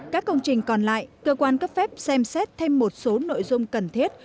các công trình còn lại cơ quan cấp phép xem xét thêm một số nội dung cần thiết